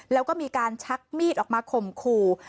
แล้วก็มีการชักมีดออกมาข่มขู่